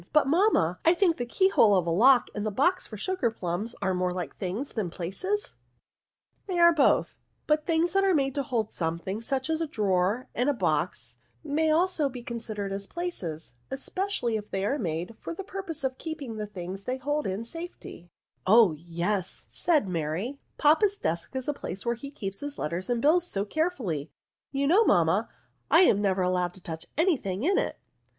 But, mamma, I think the key hole of the lock, and the box for sugar plums, are more like things than places ?"" They are both; but things that are made to hold something, such as a drawer and a box, may also be considered as places, especially if they are made for the purpose of keeping the things they hold in safety," *' Oh yes," said Mary ;" papa's desk is a place where he keeps his letters and bills so carefully : you know, mamma, I am never allowed to touch any thing in it.